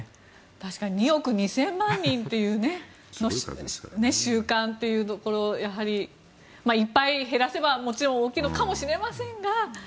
確かに２億２０００万人の習慣をやはりいっぱい減らせばもちろん大きいのかもしれませんが。